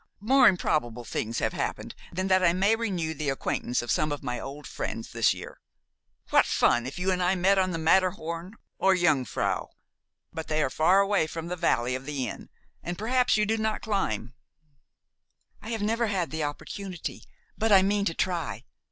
More improbable things have happened than that I may renew the acquaintance with some of my old friends this year. What fun if you and I met on the Matterhorn or Jungfrau! But they are far away from the valley of the inn, and perhaps you do not climb." "I have never had the opportunity; but I mean to try.